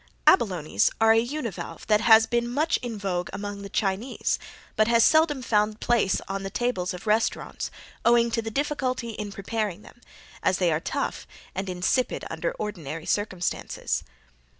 Abalone's are a univalve that has been much in vogue among the Chinese but has seldom found place on the tables of restaurants owing to the difficulty in preparing them, as they are tough and insipid under ordinary circumstances.